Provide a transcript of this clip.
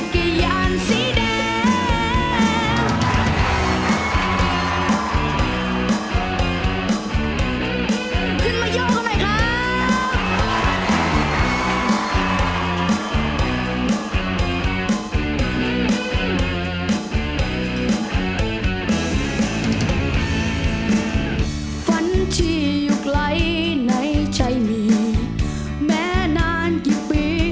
คงมาและฉันกับเธอ